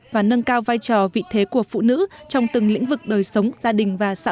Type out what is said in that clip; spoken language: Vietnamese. và nâng cao vai trò vị thế của phụ nữ trong từng lĩnh vực đời sống gia đình và xã hội